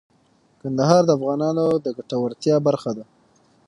کندهار د افغانانو د ګټورتیا برخه ده.